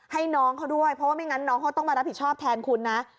ให้น้องเขาด้วยเพราะว่าไม่งั้นน้องเขาต้องมารับผิดชอบแทนคุณนะ